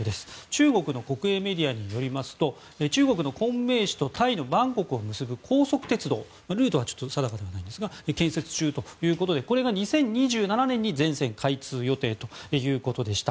中国の国営メディアによりますと中国の昆明市とタイのバンコクを結ぶ高速鉄道ルートは定かではないですが建設中ということでこれが２０２７年に全線開通予定ということでした。